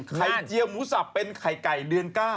เจียวหมูสับเป็นไข่ไก่เดือน๙